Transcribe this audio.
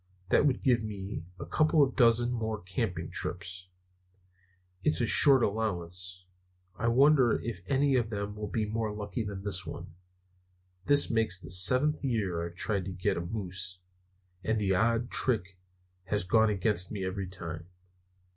"That would give me a couple of dozen more camping trips. It's a short allowance. I wonder if any of them will be more lucky than this one. This makes the seventh year I've tried to get a moose; and the odd trick has gone against me every time."